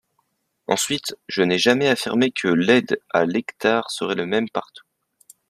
Ensuite, je n’ai jamais affirmé que l’aide à l’hectare serait la même partout.